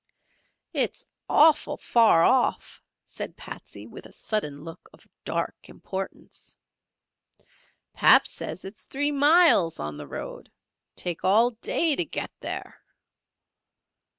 "Its orful far off!" said Patsey, with a sudden look of dark importance. "Pap sez its free miles on the road. Take all day ter get there."